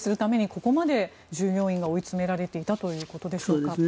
ここまで従業員が追い詰められていたということでしょうか。